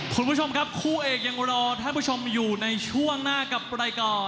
คุณผู้ชมครับคู่เอกยังรอท่านผู้ชมอยู่ในช่วงหน้ากับรายการ